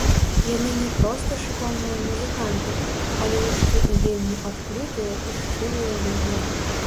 Яны не проста шыкоўныя музыканты, але яшчэ і вельмі адкрытыя і шчырыя людзі.